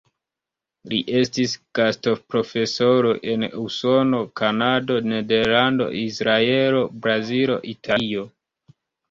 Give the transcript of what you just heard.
Li estis gastoprofesoro en Usono, Kanado, Nederlando, Izraelo, Brazilo, Italio.